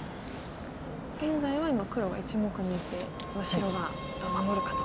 現在は今黒が１目抜いて白が守るかというところです。